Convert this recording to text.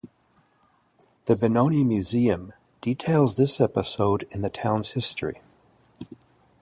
The Benoni Museum details this episode in the town's history.